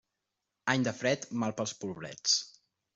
Any de fred, mal pels pobrets.